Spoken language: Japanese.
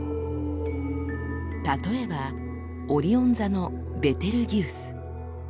例えばオリオン座のベテルギウス。